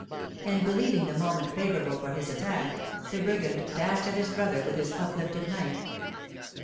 And, believing the moment favourable for his attack, the brigand dashed at his brother with his uplifted knife.